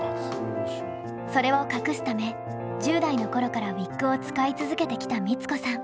それを隠すため１０代の頃からウィッグを使い続けてきた光子さん。